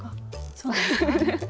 そうなんですか。